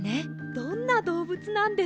どんなどうぶつなんですか？